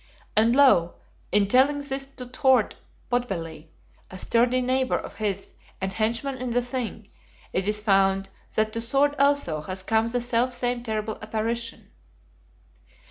And lo, in telling this to Thord Potbelly, a sturdy neighbor of his and henchman in the Thing, it is found that to Thord also has come the self same terrible Apparition!